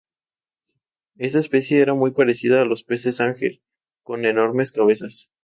Tifón, en la mitología griega, personificaba a los terremotos y a las erupciones volcánicas.